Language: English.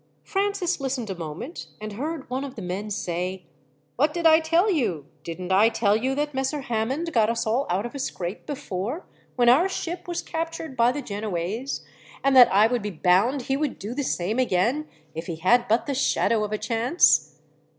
Francis listened a moment, and heard one of the men say: "What did I tell you? Didn't I tell you that Messer Hammond got us all out of a scrape before, when our ship was captured by the Genoese, and that I would be bound he would do the same again, if he had but the shadow of a chance."